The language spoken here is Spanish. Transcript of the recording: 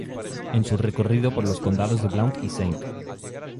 En su recorrido por los condados de Blount y St.